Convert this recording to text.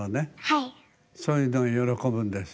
そういうの喜ぶんですよ。